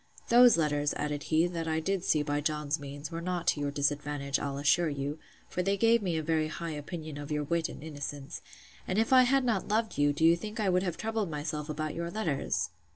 Those letters, added he, that I did see by John's means, were not to your disadvantage, I'll assure you; for they gave me a very high opinion of your wit and innocence: And if I had not loved you, do you think I would have troubled myself about your letters?